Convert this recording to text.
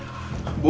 sampai jumpa bu